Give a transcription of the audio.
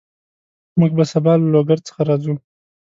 موږ به سبا له لوګر څخه راځو